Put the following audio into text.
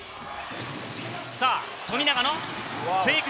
富永のフェイク。